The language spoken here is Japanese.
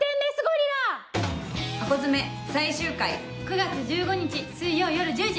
９月１５日水曜夜１０時。